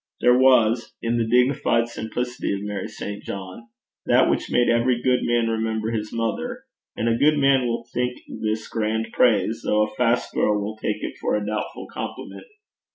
There was in the dignified simplicity of Mary St. John that which made every good man remember his mother; and a good man will think this grand praise, though a fast girl will take it for a doubtful compliment.